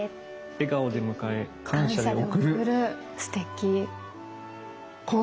笑顔で迎え感謝で送る！